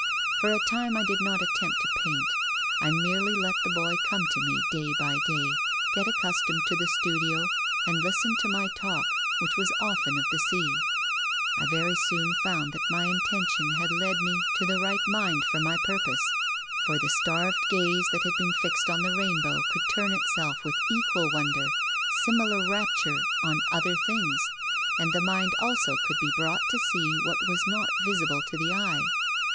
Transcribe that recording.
For a time I did not attempt to paint. I merely let the boy come to mc day by day, get accustomed to the studio, and listen to my talk — which was often of the sea, I very .soon found that my intention had led mc to the right mind for my purpose ; for the starved gaze that 32 TONGUES OF CONSCIENCE. had been fixed on the rainbow could turn itself, with equal wonder, similar rapture, on other things. And the mind also could be brought to sec what was not visible to the eye.